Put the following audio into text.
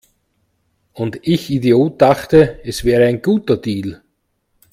Und ich Idiot dachte, es wäre ein guter Deal!